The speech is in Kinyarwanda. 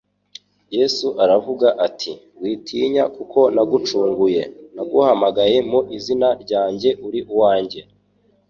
Yesu aravuga ati: "Witinya kuko nagucunguye, naguhamagaye mu izina ryanjye uri uwanjye.